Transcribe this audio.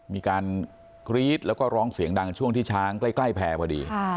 มีการกรี๊ดแล้วก็ร้องเสียงดังช่วงที่ช้างใกล้แพร่พอดี